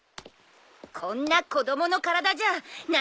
こんな子供の体じゃ何もできない。